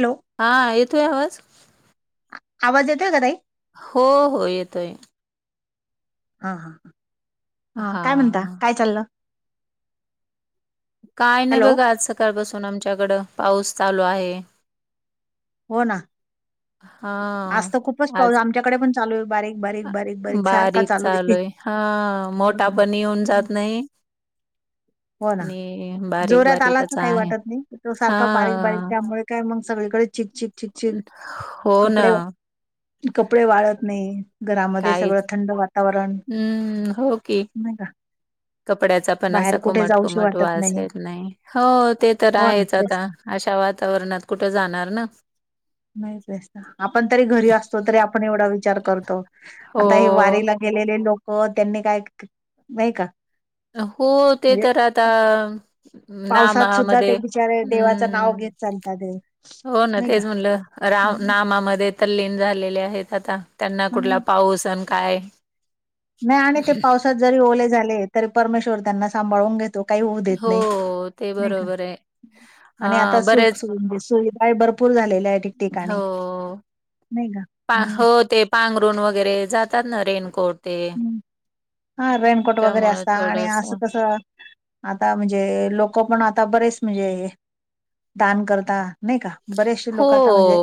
Hello. हा येतोय आवाज? आवाज येतोय का ताई? हो हो येतोय. हा हा ह हा काय म्हणता काय चाललं? काय नाही हॅलो बघा आज सकाळपासून आमच्याकडं पाऊस चालू आहे. हो ना. हा.. आज तर खूपच पाऊस आज आमच्याकडे पण चालू आहे बारीक बारीक बारीक सारखा बारीक चालू आहे चालूय हा मोठापणी युन हम्म. जात नइ. हो ना बारीक जोऱात आला तर बारीकच काय आहे. वाटत नइ तो हा सारखा बारीक बारीक त्यामुळे काय मंग सगळीकडे चिकचिक चिकचिक हो ना कपडे कपडे वाळत नय घरामध्ये सगळं काहीच थंड वातावरण हम्म हो की नाय का? कपड्याचा पण बाहेर असा कुठे कुमट, जाऊशी कुमट वाटत वास नाही येत नय हो ते तर हो ना आहेच तेच आता. ना अशा वातावरणात कुठे जाणार ना. नाही तर आपण तरी घरी असतो तरी आपण एवढा विचार करतो आता हे हो वारीला गेलेले लोकं त्यांनी काय नाही का हो ते म्हणजे तर आता नामा पावसात सुद्धा ते मध्ये बिचारे देवाचं नाव घेत चालतात ते हम्म हो ना नाही का तेच म्हणलं हम्म. रा-नामा मध्येत तल्लीन झालेले आहेत आता त्यांना कुठला हम्म. पाऊस आण काय नाय आणि ते पावसात जरी ओले झाले तरी परमेश्वर त्यांना सांभाळून घेत तो काही होऊ देत नय हो, ते नई का बरोबर आहे. आणि आता हां, सुख बरेच सुव- सुविधा भरपूर झालेल्या आहे हो. ठिकठिकाणी. नई का? पा हम्म हो ते पांघरुण वगैरे जातात ना रेनकोट ते हम्म हा रेनकोट वगैरे त्यामुळे असता आणि थोडंसं असं कसं आता म्हणजे लोकं पण आता बरेच म्हणजे दान करता नय का बरेचशे हो. लोक आता म्हणजे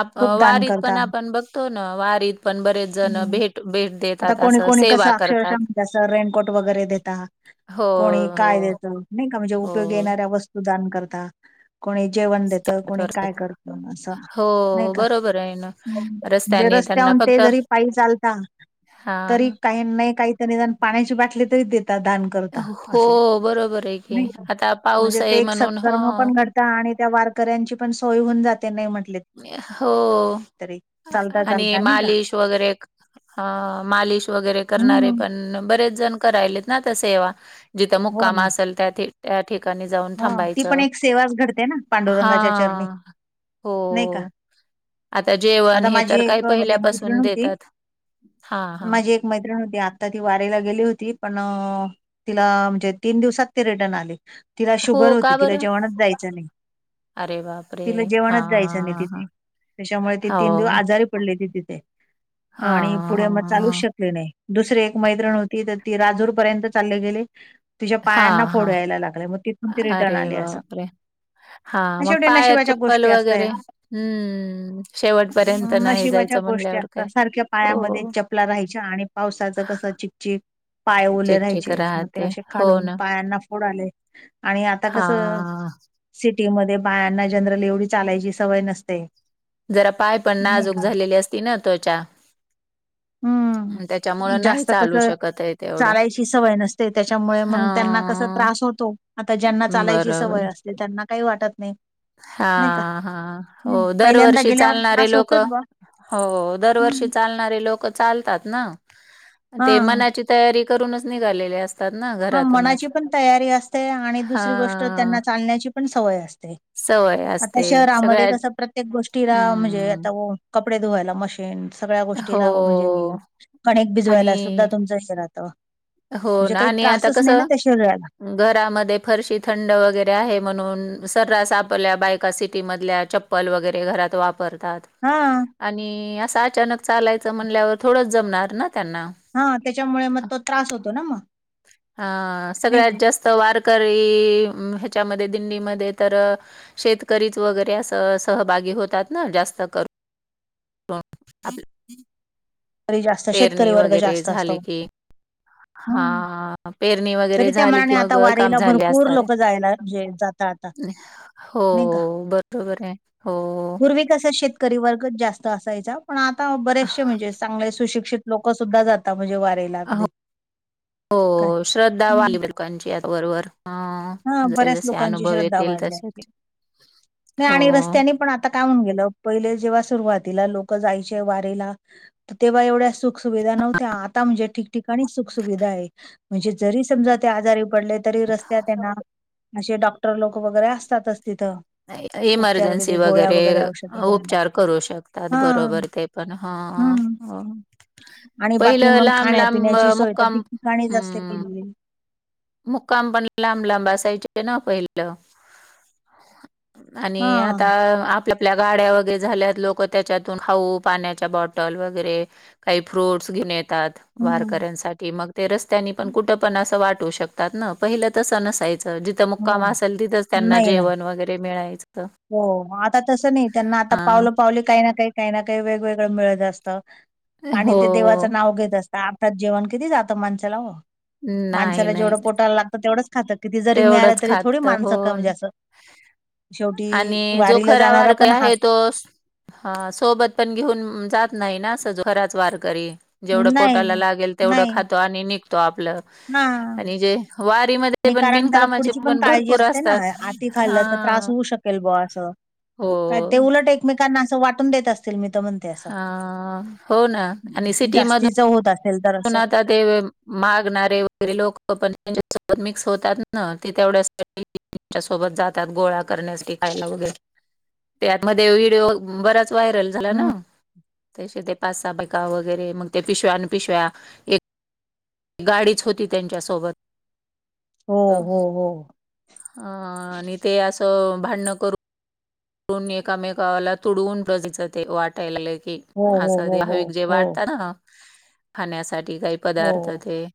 आप खूप दान वारीत करता पण आपण बघतो ना वारीत पण बरेच जण हम्म भेट भे आता कोणी, कोणी कसं अक्षरशः म्हणजे असं रेनकोट वगैरे देता हो, कोणी हो, काय देतं नय का म्हणजे उपयोगी हो. येणाऱ्या वस्तूदान करता कुणी जेवण देतं, कुणी काय करतं असं हो नाय का बरोबर आहे ना हम्म रस्त्याने त्यांना रस्त्याहून ते फक्त जरी पायी चालता तरी हा. काय नाइ कायतरी पाण्याची बाटली तरी देतात दान करता हो असं बरोबर आहे की आता पाऊस म्हणजे आहे ते एक म्हणून सत्कर्म ह पण घड तं आणि त्या वारकऱ्यांची पण सोय होऊन जाते नाही म्हटले हो तरी चालता आणि चालता नाही का मालिश वगैरे अ मालीश वगैरे करणारे हम्म बरेचजण करायलेत ना आता सेवा जिथं हो मुक्काम ना असेल त्यात त्या ठिकाणी जाऊन हो ती पण थांबायचं एक सेवाच घडते ना हा पांडुरंगाच्या चरणी नाही का हो आता जेवण आता हे माझी तर काय एक म्हणजे मैत्रिण पहिल्यापासून होती देतात हा ह माझी एक मैत्रीण हूती आत्ता ती वारीला गेली होती पण तिला म्हणजे तीन दिवसात ती रिटर्न आली तिला शुगर हो होती का तिला बरं जेवणच जायचं नाही. अरे बापरे तिला हा जेवणच जायचं नाइ तिथे त्याच्यामुळ ते तीन हो दिवस आजारी पडली ती तिथे अ आणि हां, पुढं हां, म चालूच हां. शक चालू शकली नाही दुसरी एक मैत्रीण होती तर ती राजूर पर्यंत चालले गेले तिझ्या पायांना हां, फोड हां. यायला लागलय म अरे बापरे. हा मग शेवटी पायात नशिबाच्या चप्पल गोष्टी असता वगैरे, या हम्म शेवट. नशिबाच्या गोष्टी असतात सारख्या पायामध्ये हो, चप पला राहायच्या आणि पावसाचं कसं चिकचिक. पाय ओले चिकचिक राहयचे म ते राहते. असे हो घालून ना. पायांना फोड आले. आणि आता कसं हां, सिटीमध्ये बायांना जनरली एवढी चालायची सवय नसते. जरा पाय पण नाही नाजूक का झालेली असती ना त्वचा. हम्म. अन् हम्म त्याच्यामुळं नाही जास्त कस चालू शकत आहे तेवढं. चालायची सवय नसते त्याच्यामुळे मग त्यांना कस हां, त्रास होतो. आता ज्यांना चालायची सवय असते त्यांना काही वाटत नाही. हा नाही का हा हो हम्म. पहिल्यांदा दरवर्षी गेल्यावर चालणारे त्रास लोक होतोच बा हो दरवर्षी हम्म चाल नारे लोक चालतात ना, ते हा मनाची तयारी करूनच निघाले ले अस हा मनाची पण तयारी असते आणि दुसरी गोष्ट हा. त्यांना चालण्याची पण सवय असते. सवय आता असते शहरामध्ये सगळ्या कस प्रत्येक गोष्टीला म्हणजे हम्म आता कपडे धुवायला मशीन. तेन सगळ्या हो गोष्टीला म्हणजे कणिक भिजवायला सुद्धा आणि तुमचं [unintelligible] राहतं. हो म्हणजे ना काही आणि आता त्रासच कस नाही ना त्या शरीराला घरामध्ये फरशी थंड वगैरे आहे म्हणून सर्रास आपल्या बायका सिटी मधल्या चप पल वगैरे घरात वापरतात. हा. आणि असं अचानक चालायचं म्हणल्यावर थोडंच जमणार ना त्यांना. हा त्याच्यामुळे मग तो त्रास होतो ना मग. हा नाही सगळ्यात का जास्त वारकरी ह्याच्यामध्ये दिंलीमध्ये तर शेतकरीच वगैरे असं सहभागी होतात ना जास्त करून. [unintelligible] तरी जास्त शेतकरी पेरणी वर्ग वगैरे जास्त झाली असतो की. हा हम्म हा. पेरणी तरी वगैरे त्या झाली मनाने की मग आता काम वारीला झाले भरपूर असणार आहे. लोक जायला म्हणजे जाता आता हो नाही का बरोबर आहे हो. तस शेतकरी वर्गच जास्त असायचा पण आता बरेचसे म्हणजे चांगले सुशिक्षित लोक सुद्धा जाता म्हणजे वारीला अगदी. काय हो श्रद्धा वाली [unintelligible] आता वरवर हा. हा बऱ्याच लोकांची श्रद्धा वाढल्या, नाही आणि हो रस्त्याने पण आ आता काहून गेलं पहिले जेव्हा सुरुवातीला लोक जायचे वारीला. तेव्हा एवढ्या सुख सुुविधा नव्हत्या आता म्हणजे ठिकठिकाणी सुख सुविधा आहे. म्हणजे जरी समजा ते आजारी पडले तरी रस्त्यात त्यांना असे डॉक्टर लोक वगैरे असतातच तिथं. उपचार इमर्जन्सी गोळ्या वगैरे औषधं द्यायला. उपचार करू शकतात हां, बरोबर ते. पण हा हं. हा. आणि बाकी पहिलं मग लांब लांब खाण्यापिण्याची सोय तर मुक्काम, ठिकठिकाणीच असते हम्म. केलेली मुक्काम पण लांब लांब असायचे न पहिलं. आणि आता हां. आपल आपल्या गाड्या वगैरे झाल्यात लोक त्याच्यातून खाऊ पाण्याच्या बॉटल वगैरे काही फ्रूट्स घेऊन येतात हं. वारकऱ्यांसाठी मग ते रस्त्यांनी पण कुठं पण असं वाटू शक त्यातनं पहिलं तसं नसायचं जिथं हो. मुक्काम असेल तिथंच त्यांना नाही ना. जेवण वगैरे मिळायचं. हो आता तसं नाही त्यांना आता हा पावलं पावली काही ना काही काही ना काही वेगवेगळं मिळत असतं, हो आणि ते देवाचं नाव घेत असत. आर्थात जेवण किती जातं माणसाला हो, नाही, माणसाला नाही. जेवढं पोटायला लागतं तेवढंच खातं, किती जरी मिळालं तेवढंच तरी थोडी खात, माणसं हो कमी न जास्त शेवटी आणि जो वारीला खरा जाणारा वारकरी पण हा आहे तो हा, सोबत पण घेऊन जात नाही ना, सज घराच वारकरी. जेवढं नाही, पोटाला लागेल तेवढं नाही. खातो, आणि निघतो आपलं. हां. आणि जे वारीमध्ये नाही पण कारण त्याला बिनकामाचे पुढची पण काळजी भरपूर असते ना, असतात. आटी खाल्लं तर त्रास हा होऊ शकेल ब असं. हो काय ते उलट एकमेकांना असं वाटून देत असतील, मी तर म्हण हा, हो ना, आणि सिटी मध चौद ना त्यात ते मागणारे वगैरे लोक पण त्यांच्या सोबत मिक्स होतात ना, ते तेवढ्यासाठी त्यांच्या सोबत जातात, गोळा करण्यास, विकायला वगैरे, त्यात मधे विडीओ बराच व्हायरल झाला ना, हम्म त्याच्या त्या पाच, सा, बायका वगैरे, मग ते पिशव्या आन पिशव्या एक गाडीच होती त्यांच्यासोबत, हो ह हो हो अ आणि ते असं भांडण करून धरुन एकामेकाला तुडवून कधीच [unintelligible] ते वाटायला गेल हो हो हो हो की [unintelligible] हो वाटता ना खाण्यासाठी काही पदार्थ हो ते,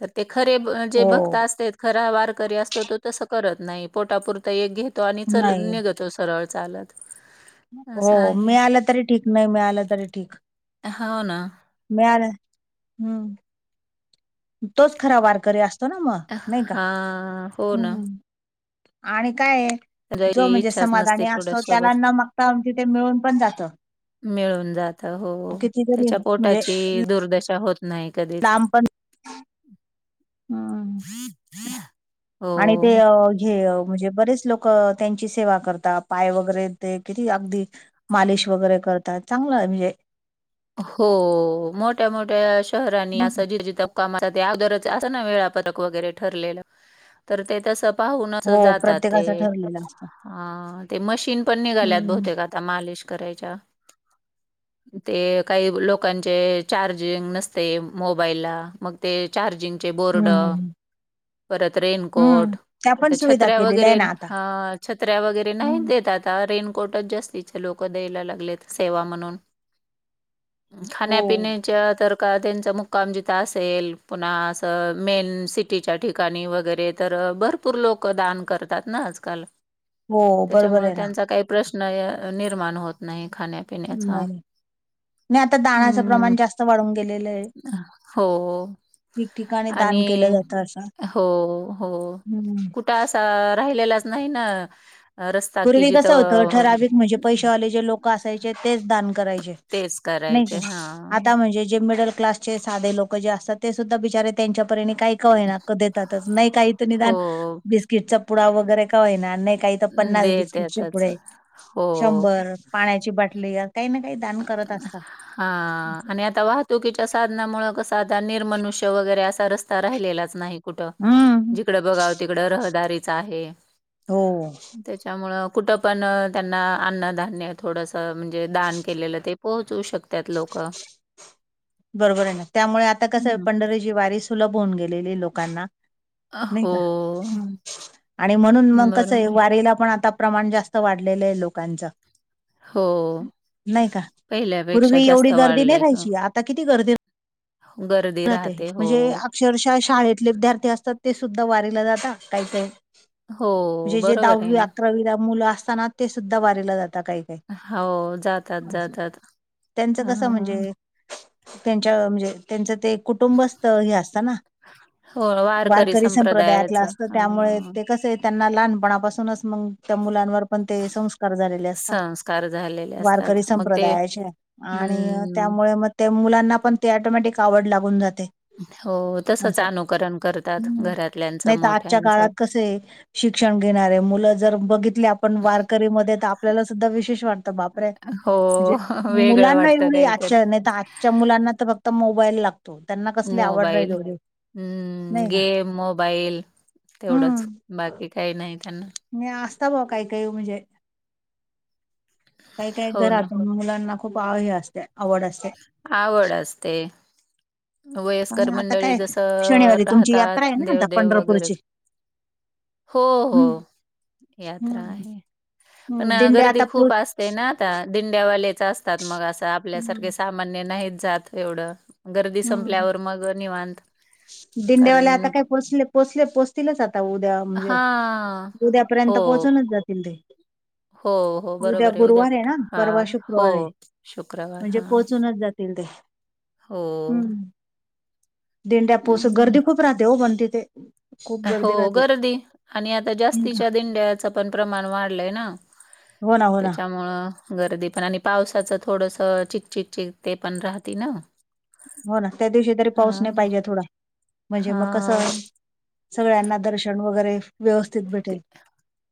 तर ते खरे जे भक्त हो असत्यात खरा वारकरी असतो तो तस करत नाही, पोटापुरता एक घेतो, आणि चल नाही निघतो सरळ. चालत. हो, असं आहे मिळाल तरी ठीक, नाही मिळाल तरी ठीक. हो ना. मिळाल, हम्म. तोच खरा वारकरी असतो ना मग, नाही का्? हा हो ना आणि काय ए जो जायची म्हणजे इच्छाच नसते समाधानी पुढे असतो, त्याला सोबत न मागता म्हणजे ते मिळून पण जात. मिळून जात, हो. जरी त्याच्या म्हणजे पोटाची दुर्दशा होत नाही कधीच लांब पण हम्म [unintelligible] आणि ते अ घे अ, म्हणजे बरेच लोक त्यांची सेवा करतात, पाय वगैरे ते किती अगदी मालिश वगैरे करतात, चांगलं ए म्हणजे हो, मोठ्या मोठ्या शहरांनी नाही अस का? जिथजिथ आगोदरच असत ना वेळापत्रक वगैरे ठरलेलं, तर ते तस पाहूनच हो जातात ते, प्रत्येकाच ठरलेलं असतं अ ते मशीन पण निघाल्यात हम्म बहुतेक आता. त्या मलिश करायच्या. ते काही लोकांचे चार्जिंग नसतय मोबाईलला, मग ते चार्जिंगचे बोर्ड हम्म परत हम्म रेनकोट, त्या पण आता सुविधा छत्र्या केलेल्या वगैरे, आहे ना आता हा. छत्र्या वगैरे नाही हं. देत आता, रेनकोटच जास्तीचे लोकं द्यायला लागलेत, सेवा म्हणून. हो खान्या पिने च्या तर का त्यांचा मुक्काम जिथ असेल, पुन्हा अस मेन सिटी टीच्या ठिकाणी वगैरे, अ तर भरपूर लोक दान करतात ना आजकाल. हो बरोबर त्याच्यामुळ आहे ना त्यांचा काही प्रश्न निर्माण होत नाही, खाण्यापिण्याचा. नाही नाही आता दानाचं हम्म, हम्म प्रमाण जास्त वाढून गेलेलं आहे हो हो. ठिकठिकाणी आणि दान केलं जातं असं हो हो हं. कुठ असा राहिलेला नाही ना. अ, रस्ता की पूर्वी कसं होतं जिथं ठराविक म्हणजे पैशेवाले जे लोक असायचे तेच दान करायचे तेच नाही का करायचे. हां. आता म्हणजे जे मिडल क्लास जे साधे लोक जे असतात ते सुद्धा बिचारे त्यांच्यापरीने काही काही का होईना देतातच नाही काहीत निदान हो. बिस्किटचा पुड वगैरे का होईना नाही काही तर पन्नास देत बिस्किटचे येतच. पुडे, हो शंभर पाण्याची बाटलीया काही ना काही दान करत असतात. हां आणि आता वाहतुकीच्या साधनामुळे कस आता निर्मनुष्य वगैरे असा रस्ता राहिलेलाच नाही कुठं हम्म. जिकडं बघाव तिकडं रहदारीच आहे. हो. त्याच्यामुळ कुठं पण त्यांना अन्नधान्य थोडसं म्हणजे दान केलेलं ते पोहोचवू शकतात लोक बरोबर आहे ना त्यामुळे आता कसं हं. पंढरीची वारी सुलभ होऊन गेलेली ए लोकांना अ, नाही हो का आणि म्हणून मग कसं आहे वारीला पण आता प्रमाण जास्त वाढलेलं ए लोकांचं. हो नाही का पहिल्यापेक्षा पूर्वी जास्त एवढी गर्दी नाही वाढलंय. राहायची हो आता किती गर्दी गर्दी राहते हो. म्हणजे अक्षरशः शाळेतले विद्यार्थी असतात ते सुद्धा वारीला जातात काही, काही हो जे जे बरोबर आहे दहावी, ना. अकरावीला मुलं असताना ते सुद्धा वारीला जातात काही. हो जातात, जातात. त्यांचं कसं हां. म्हणजे त्यांच्या म्हणजे त्यांचं ते कुटुंबस्थ हे असतना. हो वारकरी संप्रदायातला संप्रदायाच असतो अ त्यामुळे ते कसे त्यांना लहानपणापासूनच मग त्या मुलांवर पण ते संस्कार झालेले असतात. संस्कार झालेले असतात वारकरी मग ते संप्रदायाचे आणि हम्म त्यामुळे मग त्या मुलांना पण ते ऑटोमॅटिक आवड लागून जाते. हो तसच असं अनुकरण करतात हम्म घरातल्यांचं नाही तर आजच्या मोठ्यांचं काळात कसं आहे. शिक्षण घेणारे मुलं जर बघितली आपण वारकरी मध्ये तर आपल्याला सुद्धा विशेष वाटत बापरे हो म्हणजे वेगळं मुलांना वाटतं एवढी [inaudible] काहीतरी आजच्या नाही तर आजच्या मुलांना तर फक्त मोबाईल लागत मोबाईल हम्म नाही का गेम मोबाईल तेवढंच. बाकी काही नाही त्यांना. मी असता बा काही, काही म्हणजे काही, काही हो ना घरात मुलांना खू खूप आवडली असत्या आवड असते. आवड असते. वयस्कर आणि आता मंडळी काय जसं शनिवारी तुमची यात्रा राहतात आहे ना आता देवदेव वगैरे पंढरपूरची हो हो हम्म यात्रा हम्म आहे. पण हम्म. दिंडे गर्दी आता पोच खूप असते ना आता दिंड्यावालेच असतात मग असं हम्म आपल्यासारखे सा मान्य नाहीत जात एवढं गर्दी संपल्यावर मग निवां दिंड्यावाले आता काय पोचले, पोचले पोचतीलच आता उद्या म्हणजे हा हो उद्यापर्यंत पोहोचूनच जातील ते. हो हो उद्या बरोबर गुरुवार आहे उद्यापर ना, हा परवा हो शुक्रवार आहे शुक्रवार म्हणजे हा पोहचूनच जात तील ते [inaudible] हो.. हम्म दिंड्या पोच हम्म, गर्दी खूप राहते ओ बन तिथे खूप हो गर्दी राहते गर्दी आणि आता हो जास्तीच्या दिंड्याचं पण प्रमाण वाढलंय ना ना हो ना त्याच्यामुळं गर्दी पण आणि पावसाचं थोडसं चिकचिक चिक ते पण राहते ना. हो ना त्या दिवशी तर पाऊस नाय हा पाहिजे थोडा म्हणजे मग कसं हा ते सगळ्यांना दर्शन वगैरे व्यवस्थित भेटेल.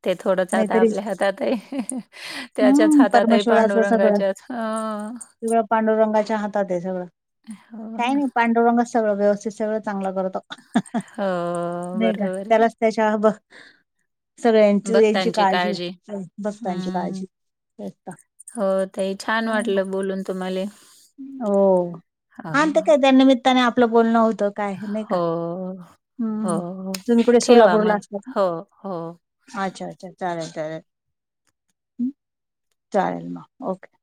ते थोडंच आता नाहीतरी आपल्या हातात हाय त्यांच्याच हम्म हातात हाय पांडुरंगाच्याच. अ केवळ पांडुरंगाच्या हातात हाय सगळं. हो काय ना. नाय पांडुरंगच सगळं व्यवस्थित सगळं चांगलं करतो. हो नाही का बरोबरये. त्यालाच त्याच्या भक- सगळ्यांची यांची काळजी भक्तांची हं. काळजी. [unintelligible] हो ताई छान वाटलं बोलून तुम्हाले. हो हो, आण ते काय त्या निमित्ताने आपलं बोलणं होतं. काय नाय का हो, हम्म, हो. तुम्ही कुठ ठेवा सोलापुरला मग. असता का? हो, हो. अच्छा अच्छा चालेल चालेल चालेल म ओके.